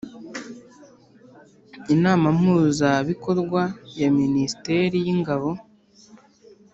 Inama Mpuzabikorwa ya Minisiteri y’Ingabo